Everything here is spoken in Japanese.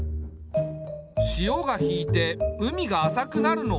潮が引いて海が浅くなるのを待つのか。